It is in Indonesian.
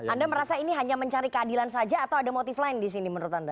anda merasa ini hanya mencari keadilan saja atau ada motif lain di sini menurut anda